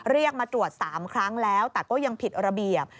เรียกมาตรวจ๓ครั้งแล้วแต่ก็ยังผิดระเบียบ